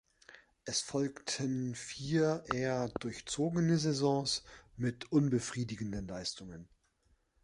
Es folgten vier eher durchzogene Saisons mit unbefriedigenden Leistungen.